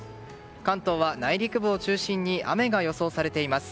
関東は内陸部を中心に雨が予想されています。